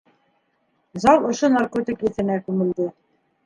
Зал ошо наркотик еҫенә күмелде.